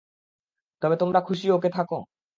তবে তোমার খুশি ওকে রাখো।